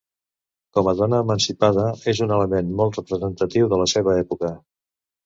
Com a dona emancipada és un element molt representatiu de la seva època.